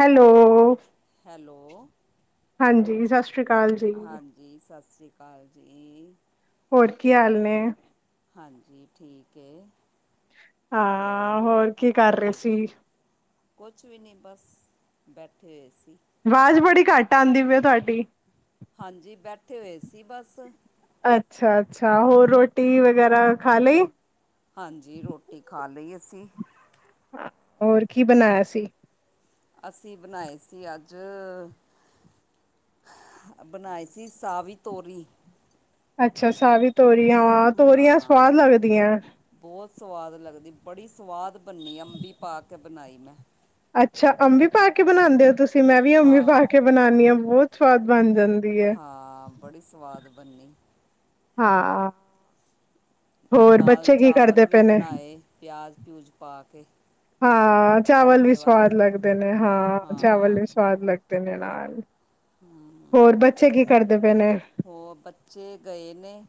Hello. Hello ਹਾਂਜੀ ਸਸ਼ ਹਾਂਜੀ, ਸਸ ਸ੍ਰੀ ਕਾਲ ਜੀ। ਹੋਰ ਕੀ ਹਾਲ ਨੇ? ਹਾਂਜੀ, ਠੀਕ ਏ। ਹਾਂ, ਹੋਰ ਕੀ ਕਰ ਰਹੇ ਸੀ? ਕੁਛ ਵੀ ਨਹੀਂ ਬਸ, ਬੈਠੇ ਹੋਏ ਸੀ। ਵਾਜ਼ ਬੜੀ ਘੱਟ ਆਂਦੀ ਪ ਤੁਹਾਡੀ? ਹਾਂਜੀ, ਬੈਠੇ ਹੋਏ ਸੀ ਬਸ। ਅੱਛਾ, ਅੱਛਾ, ਹੋਰ ਰੋਟੀ ਵਗੈਰਾ ਖਾ ਲਈ? ਖਾਲੀ ਅੱਸੀ। ਹੋਰ ਕੀ ਬਨਾਇਆ ਸੀ? ਅਸੀਂ ਬਣਾਏ ਸੀ ਅੱਜ ਬਣਾਏ ਸੀ ਸਾਵੀ ਤੋਰੀ। ਅੱਛਾ ਸਾਵੀ ਤੋਰੀਆਂ ਵ ਤੋਰੀਆਂ ਹਾਂ ਸਵਾਦ ਲੱਗਦੀਆਂ ਬਹੁਤ ਸਵਾਦ ਲੱਗਦੀ ਬੜੀ ਸਵਾਦ ਬਨੀ ਅੰਬੀ ਪਾ ਕੇ ਬਨਾਈ ਮੈਂ ਅੱਛਾ ਅੰਬੀ ਪਾ ਕੇ ਬਣਾਂਦੇ ਹੋ ਤੁਸੀਂ ਮੈਂ ਵੀ ਅੰਬੀ ਪਾ ਹਾਂ ਕੇ ਬਨਾਨੀ ਆ ਬਹੁਤ ਸਵਾਦ ਬਨ ਹਾਂ ਬੜੀ ਸਵਾਦ ਬਣਨੀ ਹਾਂ ਹੋਰ ਨਾਲ ਬੱਚੇ ਕੀ ਕਰਦੇ ਚਾਵਲ ਵੀ ਪਏ ਨੇ ਬਨਾਏ ਪਿਆਜ਼ ਪਊਜ਼ ਪਾ ਕੇ ਹਾਂ ਚਾਵਲ ਵੀ ਤੜਕੇ ਵਾਲੇ ਸਵਾਦ ਲੱਗਦੇ ਨੇ ਹਾਂ ਚਾਵਲ ਵੀ ਸਵਾਦ ਲੱਗਦੇ ਤਨੇ ਨਾਲ ਹੋਰ ਬੱਚੇ ਕੀ ਕਰਦੇ ਪਏ ਨੇ? ਹੋਰ ਬੱਚੇ ਗਏ ਨੇ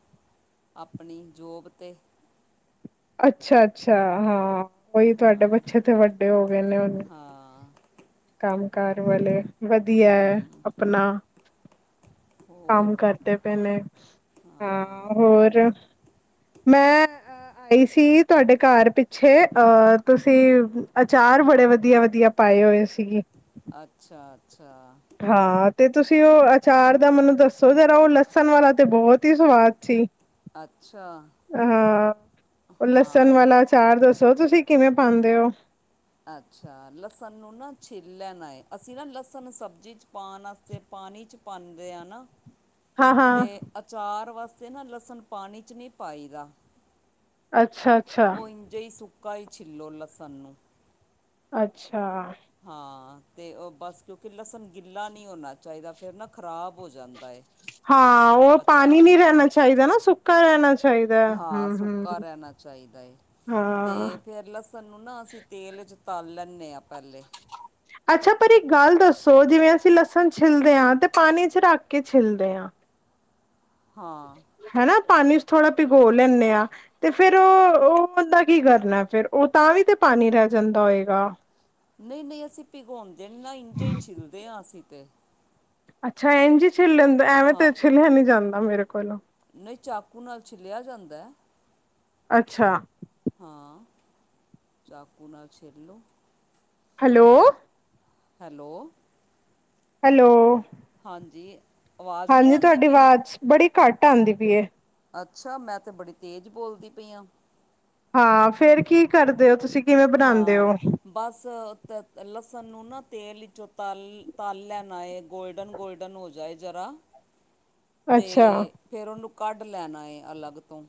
ਅਪਨੀ ਜੋਬ ਤੇ ਅੱਛਾ ਅੱਛਾ ਹਾਂ ਉਹੀ ਤੁਹਾਡੇ ਹਾਂ ਬੱਚੇ ਤੇ ਵੱਡੇ ਹੋ ਗਏ ਨੇ, ਹਾਂ ਕੰਮ ਕਾਰ ਵਾਲੇ ਵਧੀਆ ਹੈ ਹੂੰ ਅਪਨਾ ਕੰਮ ਹੋਰ ਕਰਦੇ ਪਏ ਨੇ, ਹਾਂ, ਹੋਰ ਮੈਂ ਅ ਆਈ ਸੀ ਤੁਹਾਡੇ ਘਰ ਪਿੱਛੇ ਅਹ ਤੁਸੀਂ ਅਚਾਰ ਬੜੇ ਵਧੀਆ ਵਧੀਆ ਪਾਏ ਹੋਏ ਸੀਗੇ ਅੱਛਾ ਅੱਛਾ ਹਾਂ ਤੇ ਤੁਸੀਂ ਉਹ ਅਚਾਰ ਦਾ ਮੈਨੂੰ ਦੱਸੋ ਜਰਾ ਉਹ ਲਸਨ ਵਾਲਾ ਤੇ ਬਹੁਤ ਈ ਸਵਾਦ ਸੀ ਅੱਛਾ ਹਾਂ, ਉਹ ਲਸਨ ਹਾਂ ਵਾਲਾ ਅਚਾਰ ਦੱਸੋ ਤੁਸੀਂ ਕਿਵੇਂ ਪਾਂਦੇ ੳ ਅੱਛਾ, ਲਸਨ ਨੂੰ ਨਾ ਛਿੱਲ ਲੈਨਾ ਏਂ, ਅਸੀਂ ਨਾ ਲਸਨ ਸਬਜ਼ੀ ਚ ਪਾਨ ਆਸਤੇ ਪਾਣੀ ਚ ਪਾਂਦੇ ਆ ਨਾ ਤੇ ਹਾਂ-ਹਾਂ ਅਚਾਰ ਵਾਸਤੇ ਨਾ ਲਸਨ ਪਾਨੀ ਚ ਨੀ ਪਾਈ ਦਾ ਅੱਛਾ-ਅੱਛਾ ਉਹ ਇੰਝੇ ਹੀ ਸੁੱਕਾ ਈ ਛਿੱਲੋ ਲਸਨ ਨੂੰ ਅੱਛਾ ਹਾਂ, ਤੇ ਉਹ ਬਸ ਕਿਉਂਕਿ ਲਸਨ ਗਿੱਲਾ ਨਹੀਂ ਹੋਨਾ ਚਾਹੀਦਾ ਫਿਰ ਨਾ ਖ਼ਰਾਬ ਹੋ ਜਾਂਦਾ ਏ ਹਾਂ ਉਹ ਪਾਣੀ ਅਚਾਰ ਨਹੀਂ ਰਹਿਣਾ ਚਾਹੀਦਾ ਨਾ ਸੁੱਕਾ ਰਹਿਣਾ ਚਾਹੀਦਾ ਹਾਂ ਹਮ ਹਮ ਸੁੱਕਾ ਰਹਿਣਾ ਚਾਹੀਦਾ ਹੈ ਹਾਂ ਤੇ ਫੇਿਰ ਲਸਣ ਨੂੰ ਨਾ ਅਸੀਂ ਤੇਲ ਚ ਤਲ ਲੈਂਦੇ ਹਾਂ ਪਹਿਲੇ ਅੱਛਾ ਪਰ ਇੱਕ ਗੱਲ ਦੱਸੋ ਜਿਵੇਂ ਅਸੀਂ ਲਸਣ ਛਿੱਲਦੇ ਹਾਂ ਤੇ ਪਾਣੀ ਚ ਰੱਖ ਕੇ ਛਿੱਲਦੇ ਹਾਂ [inaudible] ਹਾਂ ਹਨਾ ਪਾਣੀ ਚ ਥੋੜਾ ਭਿਗੋ ਲੈਂਦੇ ਆਾਂ ਤੇ ਫੇਰ ਉਹ ਉਹ ਬੰਦਾ ਕੀ ਕਰਨਾ ਫੇਰ ਉਹ ਤਾਂ ਵੀ ਤੇ ਪਾਣੀੀ ਰਹਿ ਜਾਂਦਾ ਹੋਏਗਾ ਨਹੀਂ ਨਹੀਂ ਅਸੀਂ ਭਿਗੋਂਦੇ ਨਹੀਂ ਇੰਝ ਹੀ ਛਿਲਦੇ ਹਾਂ ਅਸੀਂ ਤੇ ਅੱਛਾ ਇੰਝੀ ਛਿੱਲਣ ਐਵੇਂ ਹਾਂ ਤੇ ਛਿੱਲਿਆ ਨੀ ਜਾਂਦਾ ਮੇਰੇ ਕੋਲੋਂ ਨਹੀਂ ਚਾਕੂ ਨਾਲ ਛਿੱਲਿਆ ਜਾਂਦਾ ਹੈ ਅੱਛਾ ਹਾਂ ਚਾਕੂ ਨਾ ਛਿਲੋਂ ਹੈਲੋ ਹੈਲੋ ਹੈਲੋ ਹਾਂਜੀ ਆਵਾਜ਼ ਨਹੀਂ ਹਾਂਜੀ ਆਉਂਦੀ ਤੁਹਾਡੀ ਪਈ ਆਵਾਜ਼ ਬੜੀ ਘੱਟ ਆਉਂਦੀ ਪਈਏ ਅੱਛਾ ਮੈਂ ਤੇ ਬੜੀ ਤੇਜ਼ ਬੋਲਦੀ ਪਈ ਹਾਂ ਹਾਂ ਫੇਰ ਕੀ ਕਰਦੇ ਹੋ ਤੁਸੀਂ ਕਿਵੇਂ ਬਣਾਉਂਦੇ ਹਾਂ ਹੋ ਬਸ ਤ ਲਸਣ ਨੂੰ ਨਾ ਤੇਲ ਵਿੱਚੋਂ ਤਲ ਤਲ ਲੈਣਾ ਹੈ ਗੋਲਡਨ ਗੋਲਡਨ ਹੋ ਜਾਏ ਜ਼ਰਾ [inaudible] ਅੱਛਾ, ਤੇ ਫੇਰ ਉਹਨੂੰ ਕੱਢ ਲੈਣਾ ਅਲੱਗ ਤੋਂ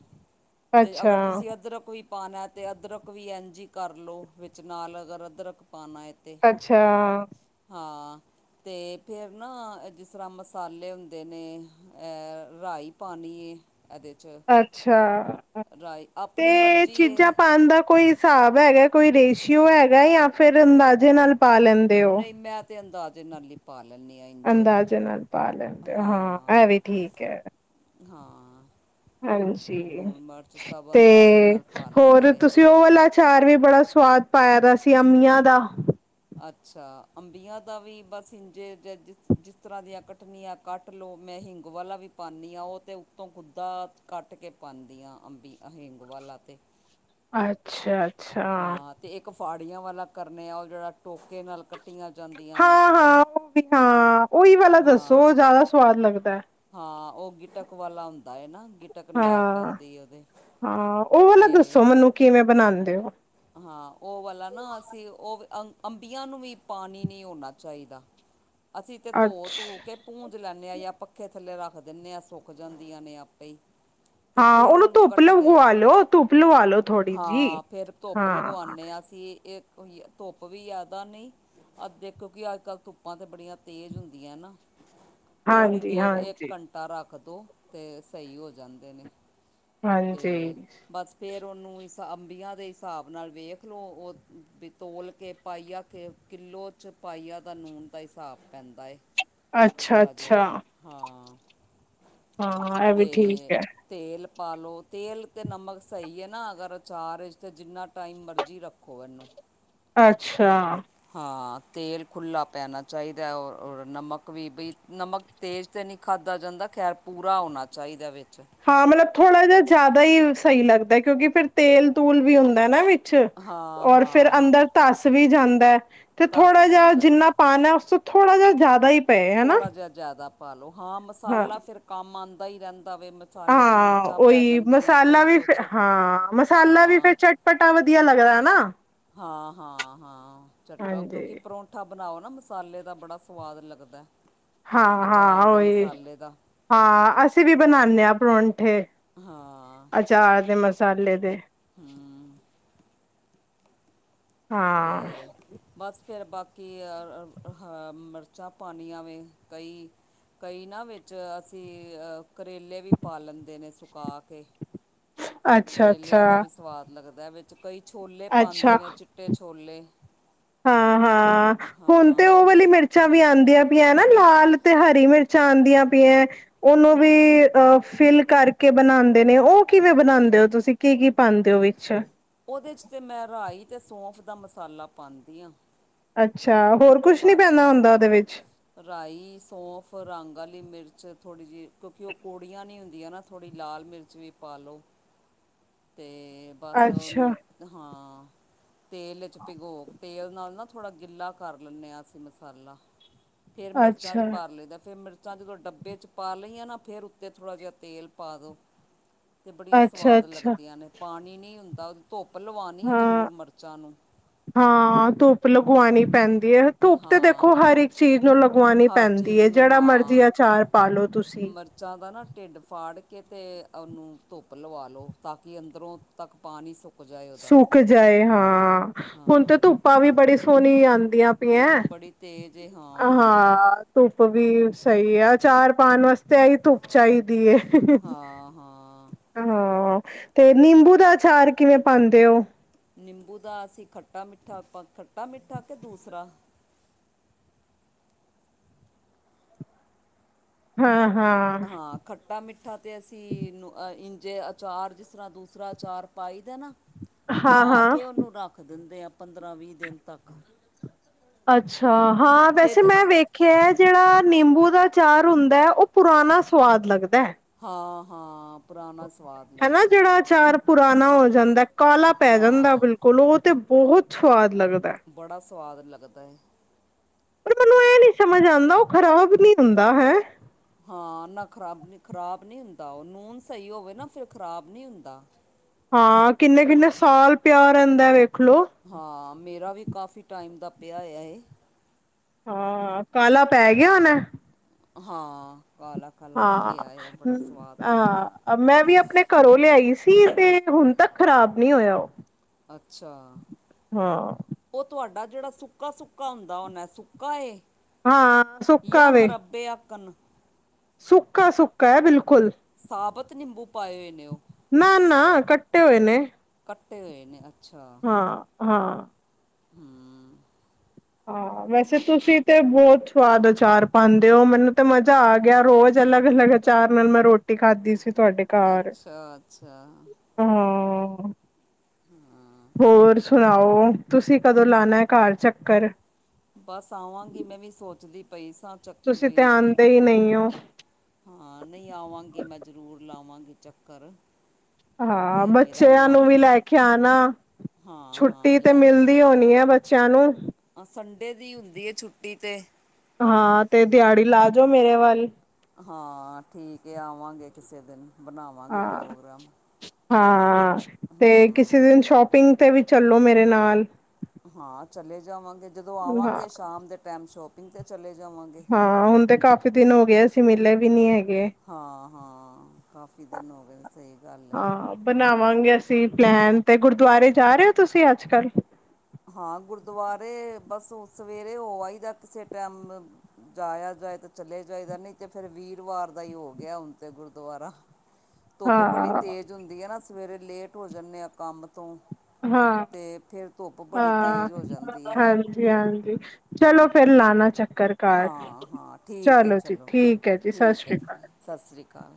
ਤੇ ਅੱਛਾ, ਅਗਰ ਤੁਸੀਂ ਇੱਧਰ ਕੋਈ ਪਾਉਣਾ ਅਤੇ ਅਦਰਕ ਵੀ ਐਂ ਜੀ ਕਰ ਲਉ ਵਿੱਚ ਨਾਲ ਅਗਰ ਅਦਰਕ ਪਾਉਣਾ ਹੈ ਤੇ ਅੱਛਾ, ਹਾਂ ਤੇ ਫੇਰ ਨਾ ਜਿਸ ਤਰ੍ਹਾਂ ਮਸਾਲੇ ਹੁੰਦੇ ਨੇ ਰਾਈ ਪਾਣੀ ਏ ਇਹਦੇ 'ਚ ਅੱਛਾ ਰਾਈ ਆਪਣੀ ਤੇ ਮਰਜ਼ੀ ਏ ਚੀਜ਼ਾਂ ਪਾਉਣ ਦਾ ਕੋਈ ਹਿਸਾਬ ਹੈਗਾ ਕੋਈ ਰੇਸ਼ੀਓ ਹੈਗਾ ਜਾਂ ਫਿਰ ਅੰਦਾਜ਼ੇ ਨਾਲ ਪਾ ਲੈਂਦੇ ਓ? ਨਹੀਂ ਮੈਂ ਤੇ ਅੰਦਾਜ਼ੇ ਨਾਲ ਹੀ ਪਾ ਲੈਂਦੀ ਹ ਇੰਝੇ ਅੰਦਾਜ਼ੇ ਨਾਲ ਪਾ ਲੈਂਦੇ ਓ, ਹਾਂ ਇਹ ਵੀ ਠੀਕ ਹੈ ਹਾਂ ਹਾਂਜੀ ਲੂਣ ਮਿਰਚ ਸਭ ਤੇ ਅੰਦਾਜ਼ੇ ਨਾਲ ਪਾ ਲਈਦਾ ਹੋਰ ਏ ਤੁਸੀਂ ਉਹ ਵਾਲਾ ਅਚਾਰ ਵੀ ਬੜਾ ਸਵਾਦ ਪਾਇਆ ਦਾ ਸੀ ਅੰਮੀਆਂ ਦਾ ਅੱਛਾ ਅੰਬੀਆਂ ਦਾ ਵੀ ਬਸ ਇੰਝੇ ਜ ਜਿਸ ਜਿਸ ਤਰ੍ਹਾਂ ਦੀਆਂ ਕੱਟਨੀਆਂ ਕੱਟ ਲਓ ਮੈਂ ਹਿੰਗ ਵਾਲਾ ਵੀ ਪਾਉਂਦੀ ਹ ਉਹ ਤੇ ਉੱਤੋਂ ਗੁੱਦਾ ਕੱਟ ਕੇ ਪਾਉਂਦੀ ਆ ਅੰਬੀ ਅਹਿੰਗ ਵਾਲਾ ਤੇ ਅੱਛਾ ਅੱਛਾ। ਹਾਂ ਤੇ ਇੱਕ ਫਾੜੀਆਂ ਵਾਲਾ ਕਰਨੇ ਆ ਉਹ ਜਿਹੜਾ ਟੋਕੇ ਨਾਲ ਕੱਟੀਆਂ ਜਾਂਦੀਆਂ ਨੇ ਹਾਂ ਹਾਂ ਉਹ ਵੀ ਹਾਂ ਉ ਓਹੀ ਵਾਲਾ ਹਾਂ ਦੱਸੋ ਜ਼ਿਆਦਾ ਸਵਾਦ ਲੱਗਦਾ ਹਾਂ ਉਹ ਗਿਟਕ ਵਾਲਾ ਹੁੰਦਾ ਨਾ ਗਿਟਕ ਨਾਲ ਹਾਂ, ਪੈਂਦੀ ਉਹਦੇ ਹਾਂ ਉਹ ਵਾਲਾ ਅਤੇ ਦੱਸੋ ਮੈਨੂੰ ਕਿਵੇਂ ਬਣਾਉਂਦੇ ਹੋ ਹਾਂ ਉਹ ਵਾਲਾ ਨਾ ਅਸੀਂ ਉਹ ਅ ਅੰਬੀਆਂ ਨੂੰ ਵੀ ਪਾਣੀ ਨਹੀਂ ਹੋਣਾ ਚਾਹੀਦਾ ਅਸੀਂ ਤੇ ਧੋ ਅੱਛ ਧੂ ਕੇ ਪੂੰਜ ਲੈਂਦੇ ਹਾਂ ਜਾਂ ਪੱਖੇ ਥੱਲੇ ਰੱਖ ਦਿੰਦੇ ਹਾਂ ਸੁੱਕ ਜਾਂਦੀਆਂ ਨੇ ਆਪੇ ਈ ਹਾਂ ਉਹਨੂੰ ਧੁੱਪ ਲਗਵਾ ਲੋ ਧੁੱਪ ਲਵਾ ਲੋ ਥੋੜੀ ਜਿਹੀ ਹਾਂ ਫਿਰ ਧੁੱਪ ਲਗਵਾਉਂਦੇ ਹਾਂ ਅਸੀਂ ਇਹ ਧੁੱਪ ਵੀ ਜਿਆਦਾ ਨਹੀਂ। ਅ ਦੇਖੋ ਕਿ ਅੱਜ ਕੱਲ ਧੁੱਪਾਂ ਤੇ ਬੜੀਆਂ ਤੇਜ਼ ਹੁੰਦੀਆਂ ਨਾ। ਥੋੜ੍ਹੀ ਹਾਂਜੀ ਦੇਰ ਇੱਕ ਹਾਂਜੀ ਘੰਟਾ ਰੱਖ ਦਿਉ ਅਤੇ ਸਹੀ ਹੋ ਜਾਂਦੇ ਨੇ। ਹਾਂਜੀ ਤੇ ਬਸ ਫੇਰ ਉਹਨੂੰ ਇਸ ਅੰਬੀਆਂ ਦੇ ਹਿਸਾਬ ਨਾਲ ਵੇਖ ਲਓ ਉਹ ਵੀ ਤੋਲ ਕੇ ਪਾਈ ਆ ਕੇ। ਕਿਲੋ 'ਚ ਪਾਈਆ ਦਾ ਨੂਣ ਦਾ ਹਿਸਾਬ ਪੈਂਦਾ ਏ। ਅੱਛਾ ਥੋੜ੍ਹਾ ਅੱਛਾ ਜਿਹਾ ਹਾਂ ਹਾਂ ਇਹ ਵੀ ਠੀਕ ਤੇ ਹੈ। ਤੇਲ ਪਾ ਲਓ ਤੇਲ ਅਤੇ ਨਮਕ ਸਹੀ ਹੈ ਨਾ ਅਗਰ ਅਚਾਰ ਤਾਂ ਜਿੰਨਾ ਟਾਈਮ ਮਰਜ਼ੀ ਰੱਖੋ ਇਹਨੂੰ। ਅੱਛਾ ਹਾਂ ਤੇਲ ਖੁੱਲਾ ਪੈਣਾ ਚਾਹੀਦਾ ਔਰ ਨਮਕ ਵੀ ਬਈ ਨਮਕ ਤੇਜ਼ ਤਾਂ ਨਹੀਂ ਖਾਧੀ। ਜਾਂਦਾ ਖੈਰ ਪੂਰਾ ਹੋਣਾ ਚਾਹੀਦਾ ਵਿੱਚ। ਹਾਂ ਮਤਲਬ ਥੋੜ੍ਹਾ ਜਿਹਾ ਜ਼ਿਆਦਾ ਹੀ ਸਹੀ ਲੱਗਦਾ ਕਿਉਂਕਿ ਫਿਰ ਤੇਲ ਤੂਲ ਵੀ ਹੁੰਦਾ ਨਾ ਹਾਂ ਔਰ ਫਿਰ ਹਾਂ ਅੰਦਰ ਤੱਸ ਵੀ ਜਾਂਦਾ। ਤੇ ਧੱਸ ਥੋੜਾ ਜਿਹਾ ਜਾਂਦਾ ਹੈ ਜਿੰਨਾ ਪਾਣਾ ਹੈ ਉਸ ਤੋਂ ਥੋੜ੍ਹਾ ਜਿਹਾ ਜ਼ਿਆਦਾ ਹੀ। ਪਏ ਹਨਾ ਥੋੜਾ ਜਿਹਾ ਜਿਆਦਾ ਪਾਲੋ ਹਾਂ ਮਸਾਲਾ ਫਿਰ ਕੰਮ ਆਉਂਦਾ ਹੀ ਰਹਿੰਦਾ। ਵੇ ਮਸਾਲੇ 'ਚ ਹਾਂ ਮਿਰਚਾਂ ਪੈ ਉਹੀ ਜਾਂਦੀਆਂ ਮਸਾਲਾ ਕਈ ਵੀ ਫ ਕੁਛ ਹਾਂ ਮਸਾਲਾ ਵੀ ਹਾਂ ਫੇਰ ਚਟਪਟਾ ਵਧੀਆ ਲੱਗਦਾ ਲੱਗਦਾ ਨਾ। ਹਾਂ ਹਾਂ ਹਾਂ ਚਟਪ ਕਿਉਂਕਿ ਹਾਂਜੀ ਪਰੌਂਠਾ ਬਣਾਓ ਨਾ ਮਸਾਲੇ ਦਾ ਬੜਾ ਸਵਾਦ ਲੱਗਦਾ। ਹਾਂ ਹਾਂ ਅਚਾਰ ਦੇ ਉਹੀ ਮਸਾਲੇ ਦਾ ਹਾਂ ਅਸੀਂ ਵੀ ਬਣਾਦੇ ਹਾਂ ਪਰੌ। ਪਰੌਂਠੇ ਅਚਾਰ ਦੇ ਮਸਾਲੇ ਦੇ। ਹੂ ਤੇ ਹਾਂ ਬਸ ਫਿਰ ਬਾਕੀ ਅ ਮਿਰਚਾਂ ਪਾਣੀ ਆਂ ਵੇ ਕਈ। ਕਈ ਨਾ ਵਿੱਚ ਅਸੀਂ ਕਰੇਲੇ ਵੀ ਪਾ ਲੈਂਦੇ ਨੇ ਸੁਕਾ ਕੇ। ਕਰੇਲਿਆਂ ਦਾ ਅੱਛਾ-ਅੱਛਾ, ਵੀ ਸਵਾਦ ਲੱਗਦਾ ਹੈ ਵਿੱਚ ਕਈ ਛੋਲੇ ਪਾਉਂਦੇ ਨੇ ਚਿੱਟੇ ਛੋਲੇ ਹਾਂ ਹਾਂ ਹੁਣ ਤੇ ਹਾਂ ਉਹ ਵਾਲੀ ਮਿਰਚਾਂ ਵੀ ਆਉਂਦੀ। ਪੀਆ ਨਾ ਲਾਲ ਤੇ ਹਰੀ ਮਿਰਚਾਂ ਆਉਂਦੀਆਂ ਪਈਆ ਉਹਨੂੰ ਵੀ ਅ ਫਿਲ ਕਰ ਕਰਕੇ ਬਣਾਉਂਦੇ ਨੇ ਉਹ ਕਿਵੇਂ ਬਣਾਉਂਦੇ ਹੋ ਤੁਸੀਂ ਕੀ ਕੀ ਪਾਉਂਦੇ ਹੋ ਵਿੱਚ। ਉਹਦੇ 'ਚ ਤਾਂ ਮੈਂ ਰਾਈ ਤੇ ਸੌਂਫ ਦਾ ਮਸਾਲਾ ਪਾਉਂਦੀ ਹਾਂ। ਅੱਛਾ। ਹੋਰ ਕੁਛ ਨੀ ਭਰ ਪੈਂਦਾ ਕੇ ਹੁੰਦਾ ਉਹਦੇ ਵਿੱਚ ਰਾਈ ਸੌਫ ਰੰਗ ਵਾਲੀ ਮਿਰਚ ਥੋੜ੍ਹੀ ਜਿਹੀ ਕਿਉਂਕਿ ਉਹ ਕੌੜੀਆਂ ਨੀ ਹੁੰਦੀਆਂ ਨਾ ਥੋੜ੍ਹੀ ਲਾਲ ਮਿਰਚ ਵੀ ਪਾ ਲਉ। ਤੇ ਬਸ ਉਹਨੂੰ ਹਾਂ। ਤੇਲ ਚ ਭਿਗੋਕ ਤੇਲ ਨਾਲ ਨਾ ਥੋੜ੍ਹਾ ਗਿੱਲਾ ਕਰ ਲੈਂਦੇ ਹਾਂ ਅਸੀਂ ਮਸਾਲਾ। ਫੇਰ ਮਿਰਚਾਂ ਚ ਅੱਛਾ-ਅੱਛਾ, ਭਰ ਲਈ ਫਿਰ ਮਿਰਚ ਜਾਂ ਜਦੋਂ ਡੱਬੇ 'ਚ ਪਾ ਲਈਆਂ ਨਾ ਫਿਰ ਉੱਤੇ ਥੋੜ੍ਹਾ ਜਿਹਾ ਤੇਲ ਪਾ ਦਿਉ। ਅਤੇ ਬੜੀਆਂ ਸਆਦ ਅੱਛਾ-ਅੱਛਾ ਲੱਗਦੀਆਂ ਨੇ ਪਾਣੀ ਨਹੀਂ ਹੁੰਦਾ ਉਹ ਧੁੱਪ ਧੁੱਪ ਲਵਾਉਣੀ ਆ ਹਾਂ ਜ਼ਰੂਰ ਮਿਰਚਾਂ ਨੂੰ ਹਾਂ ਧੁੱਪ ਲਗਵਾਉਣੀ ਪੈਂਦੀ। ਧੁੱਪ ਤੇ ਦੇਖੋ ਹਾਂ ਹਰ ਇੱਕ ਚੀਜ਼ ਨੂੰ ਲਗਵਾਉਣੀ ਹਰ ਪੈਂਦੀ ਚੀਜ਼ ਹੈ ਨੂੰ ਜਿਹੜਾ ਮਰਜ਼ੀ ਹਾਂ ਆਚਾਰ ਪਾਲੋ ਤੁਸੀਂ। ਮਿਰਚਾਂ ਦਾ ਨਾ ਢਿੱਡ ਫਾੜ ਕੇ ਅਤੇ ਉਹਨੂੰ ਧੁੱਪ ਲਵਾ ਲਉ ਤਾਂ ਕਿ ਅੰਦਰੋਂ ਤੱਕ ਪਾਣੀ ਸੁੱਕ। ਜਾਏ ਉਹਦਾ ਸੁੱਕ ਜਾਏ ਹਾਂ ਹੁਣ ਤੇ ਹਾਂ ਧੁੱਪਾ ਵੀ ਬੜੀ ਸੋਹਣੀ ਆਉਂਦੀ। ਧੁੱਪ ਬੜੀ ਤੇਜ਼। ਹਾਂ ਤੂੰ ਧੁੱਪ ਵੀ ਸਹੀ ਆ ਚਾਰ ਪਾਉਣ ਵਾਸਤੇ ਆਹੀ ਧੁੱਪ ਚਾਹੀਦੀ ਏ। ਹਾਂ ਹਾਂ ਹਾਂ ਤੇ ਨਿੰਬੂ ਦਾ ਅਚਾਰ ਕਿਵੇਂ ਪਾਉਂਦੇ ਹੋ? ਨਿੰਬੂ ਦਾ ਅਸੀਂ ਖੱਟਾ ਮਿੱਠਾ ਖੱਟਾ ਮਿੱਠਾ ਕਿ ਦੂਸਰਾ। ਹਾਂ। ਹਾਂ ਖੱਟਾ ਮਿੱਠਾ ਤੇ ਅਸੀਂ ਅ ਜੇ ਅਚਾਰ ਜਿਸ ਤਰ੍ਹਾਂ ਦੂਸਰਾ ਅਚਾਰ ਪਾਈ ਦਾ ਨਾ ਹਾਂ ਪਾ ਹਾਂ ਕੇ ਉਹਨੂੰ ਰੱਖ ਦਿੰਦੇ ਆ। ਪੰਦਰਾਂ ਵੀਹ ਦਿਨ ਤੱਕ। ਅੱਛਾ ਹਾਂ ਫਿਰ ਵੈਸੇ ਮੈਂ ਜਿਸ ਵੇਖਿਆ। ਜਿਹੜਾ ਨਿੰਬੂ ਦਾ ਅ ਚਾਰ ਹੁੰਦਾ ਉਹ ਪੁਰਾਣਾ ਸਵਾਦ ਲੱਗਦਾ ਹਾਂ ਹਾਂ ਪੁਰਾਣਾ ਸਵਾਦ ਹਨਾ ਲੱਗਦਾ। ਜਿਹੜਾ ਅਚਾਰ ਪੁਰਾਣਾ ਹੋ ਜਾਂਦਾ ਕਾਲਾ ਪੈ ਜਾਂਦਾ ਹਾਂ ਬਿਲਕੁਲ ਉਹ ਤੇ ਬਹੁਤ ਸਵਾਦ ਲੱਗਦਾ ਹੈ। ਬੜਾ ਸਵਾਦ ਲੱਗਦਾ ਹੈ। ਪਰ ਮੈਨੂੰ ਇਹ ਨੀ ਸਮਝ ਆਉਂਦਾ ਉਹ ਖ਼ਰਾਬ ਨਹੀਂ ਹੁੰਦਾ ਹੈਂ। ਹਾਂ ਨਾ ਖਰਾਬ ਖ਼ਰਾਬ ਨਹੀਂ ਹੁੰਦਾ ਉਹ ਨੂਨ ਸਹੀ ਹੋਵੇ ਨਾ ਫਿਰ ਖ਼ਰਾਬ ਨਹੀਂ ਹੁੰਦਾ। ਹਾਂ ਕਿੰਨੇ ਕਿੰਨੇ ਸਾਲ ਪਿਆ ਰਹਿੰਦਾ ਵਖ ਹਾਂ ਮੇਰਾ ਵੀ ਕਾਫ਼ੀ ਟਾਈਮ ਦਾ ਪਿਆ ਹੈ ਇਹ ਹਾਂ ਕਾਲਾ ਪੈ ਗਿਆ ਹੋਣਾ ਹਾਂ। ਕਾਲਾ ਕਾਲਾ ਹਾਂ ਪਿਆ ਹੈ ਬੜਾ ਸਵਾਦ ਲੱਗਦਾ ਹੈ। ਹਹ ਮੈਂ ਵੀ ਆਪਣੇ ਘਰੋਂ ਲਿਆਈ ਸੀ। ਤੇ ਹੁਣ ਤੱਕ ਖ਼ਰਾਬ ਨਹੀਂ ਹੋਇਆ ਉਹ ਅੱਛਾ ਹਾਂ ਉਹ ਤੁਹਾਡਾ ਜਿਹੜਾ ਸੁੱਕਾ ਸੁੱਕਾ ਹੁੰਦਾ ਉਹਨੇ ਸੁੱਕਾ ਹਾਂ ਸੁੱਕਾ ਜਾਂ ਵੇ ਮੁਰੱਬੇ ਆਕਣ ਸੁੱਕਾ ਸੁੱਕਾ ਹੈ ਬਿਲਕੁਲ ਸਾਬਤ ਨਿੰਬੂ ਪਾਏ ਹੋਏ ਨੇ ਉਹ ਨਾ ਨਾ ਕੱਟੇ ਹੋਏ ਨੇ। ਕੱਟੇ ਹੋਏ ਨੇ ਅ ਹਾਂ ਹਾਂ। ਹਮ। ਹਾਂ ਵੈਸੇ ਤੁਸੀਂ ਤੇ ਬਹੁਤ ਸਵਾਦ ਅਚਾਰ ਪਾਉਂਦੇ ਹੋ, ਮੈਨੂੰ ਤੇ ਮਜ਼ਾ ਆ ਗਿਆ ਰੋਜ਼। ਅਲੱਗ ਅਲੱਗ ਅਚਾਰ ਨਾਲ ਮੈਂ ਰੋਟੀ ਖਾਧੀ ਸੀ। ਤੁਹਾਡੇ ਘਰ, ਅੱਛਾ ਅੱਛਾ ਹਾਂ। ਹਮ। ਹੋਰ ਸੁਣਾਓ ਤੁਸੀਂ ਕਦੋਂ ਲਾਣਾ ਘਰ ਚੱਕਰ। ਬਸ ਆਵਾਂਗੀ ਮੈਂ ਵੀ ਸੋਚਦੀ ਪਈ ਸੀ। ਤਾਂ ਚੱਕ ਤੁਸੀਂ ਤੇ ਬਈ ਆਉਂਦੇ ਹੀ ਤੁੂੰ ਨਹੀਂ ਹੋ ਹਾਂ ਨਹੀਂ ਆਵਾਂਗੀ ਮੈਂ ਜ਼ਰੂਰ ਲਾਵਾਂਗੀ। ਚੱਕਰ। ਹਾਂ ਅਤੇ ਮੇਰਾ ਬੱਚਿਆਂ ਨੂੰ ਮਨ ਵੀ ਲੈ ਕੇ ਆ ਨਾ। ਹਾਂ ਹਾਂ ਛੁੱਟੀ ਤੇ ਲੈ ਕੇ ਆ ਮਿਲਦੀ ਹੋਣੀ ਹੈ ਬੱਚਿਆਂ ਨੂੰ। ਹਾਂ ਸੰਡੇ ਦੀ ਹੁੰਦੀ ਹੈ ਛੁੱਟੀ ਤੇ। ਹਾਂ ਤੇ ਦਿਹਾੜੀ ਲਾਜਓ ਮੇਰੇ ਵੱਲ। ਹਾਂ ਠੀਕ ਹੈ ਆਵਾਂਗੇ ਕਿਸੇ ਦਿਨ ਬਣਾਵਾਂਗੇ ਹਾਂ ਪ੍ਰੋਗਰਾਮ। ਹਾਂ ਤੇ ਹਾਂ ਕਿਸੇ ਦਿਨ ਸ਼ੋਪਿੰਗ ਤੇ ਵੀ ਚੱਲੋ ਮੇਰੇ ਨਾਲ। ਹਾਂ ਚਲੇ ਜਾਵਾਂਗੇ ਜਦੋਂ ਹਾਂ ਆਵਾਂਗੇ, ਸ਼ਾਮ ਦੇ ਟਾਈਮ ਸ਼ੋਪਿੰਗ ਤੇ ਚਲੇ ਜਾਵਾਂਗੇ ਹਾਂ ਹੁਣ ਤੇ ਕਾਫੀ ਦਿਨ ਹੋ ਗਏ, ਅਸੀਂ ਮਿਲੇ ਵੀ ਨੀ ਹੈਗੇ। ਹਾਂ ਹਾਂ ਕਾਫੀ ਦਿਨ ਹੋ ਗੇ ਸਹੀ ਗੱਲ ਹੈ। ਪ੍ਰੀ ਪਲੈਨ ਤੇ ਗੁਰਦੁਆਰੇ ਜਾ ਰਹੇ ਹੋ ਤੁਸੀਂ ਅੱਜ ਕੱਲ। ਹਾਂ ਗੁਰਦੁਆਰੇ ਬਸ ਸਵੇਰੇ ਹੋ ਆਈਦਾ, ਕਿਸੇ ਟਾਈਮ ਜਾਇਆ ਜਾਏ ਤੇ ਚਲੇ ਜਾਏਦਾ ਨਹੀਂ ਤੇ ਫ਼ਿਰ ਵੀਰਵਾਰ ਦਾ ਹੀ ਹੋ ਗਿਆ ਹੁਣ ਤੇ ਗੁਰਦੁਆਰਾ। ਧੁੱਪ ਬੜੀ ਹਾਂ ਤੇਜ਼ ਹੁੰਦੀ ਆ ਨਾ, ਸਵੇਰੇ ਲੇਟ ਹੋ ਜਾਂਦੇ ਆ ਕੰਮ ਤੋਂ ਹਾਂ ਤੇ ਫਿਰ ਧੁੱਪ ਬੜੀ ਹਾਂ ਤੇਜ਼ ਹੋ ਜਾਂਦੀ ਹੈ ਹਾਂਜੀ ਹਾਂਜੀ ਚਲੋ ਫੇਰ ਲਾਣਾ ਚੱਕ ਹਾਂ ਹਾਂ ਠੀਕ ਹੈ ਜੀ ਚਲੋ ਠੀਕ ਹੈ ਜੀ ਸਤਿ ਠੀਕ ਸ੍ਰੀ ਹੈ ਅਕਾਲ ਸਤਿ ਸ੍ਰੀ ਅਕਾਲ।